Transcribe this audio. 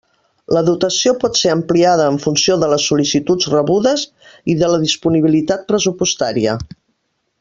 La dotació pot ser ampliada en funció de les sol·licituds rebudes i de la disponibilitat pressupostària.